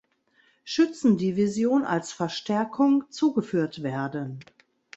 Schützendivision als Verstärkung zugeführt werden.